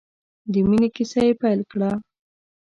د مینې کیسه یې پیل کړه.